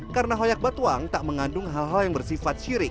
karena hoyak batuang tak mengandung hal hal yang bersifat syirik